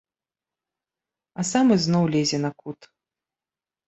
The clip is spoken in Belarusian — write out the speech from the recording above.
А сам ізноў лезе на кут.